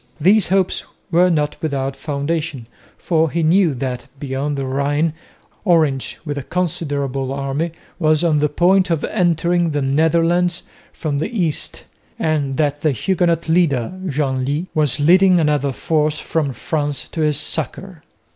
These hopes were not without foundation, for he knew that, beyond the Rhine, Orange with a considerable army was on the point of entering the Netherlands from the east, and that the Huguenot leader, Genlis, was leading another force from France to his succour.